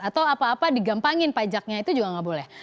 atau apa apa digampangin pajaknya itu juga nggak boleh